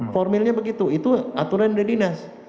formilnya begitu itu aturan dari dinas